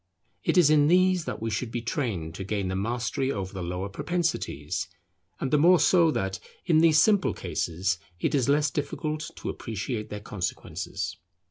It is in these that we should be trained to gain the mastery over the lower propensities; and the more so that, in these simple cases, it is less difficult to appreciate their consequences.